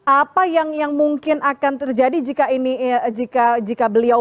apa yang mungkin akan terjadi jika ini jika beliau mundurkan